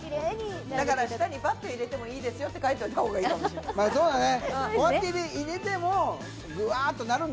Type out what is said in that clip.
だから下に「バッと入れてもいいですよ」って書いといたほうがいいかもしれない。